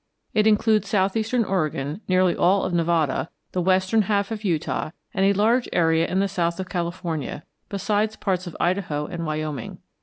It includes southeastern Oregon, nearly all of Nevada, the western half of Utah, and a large area in the south of California, besides parts of Idaho and Wyoming.